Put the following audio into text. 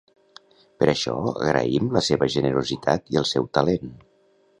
Per això agraïm la seva generositat i el seu talent.